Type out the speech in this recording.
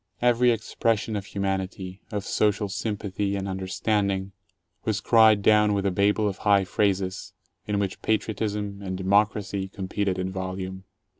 Every expression of humanity, of social sympathy, and understanding was cried down with a Babel of high phrases, in which "patriotism" and "democ racy" competed in volume.